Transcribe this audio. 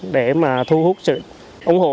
để mà thu hút sự ủng hộ